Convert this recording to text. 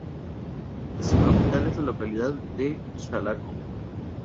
Su capital es la localidad de Chalaco.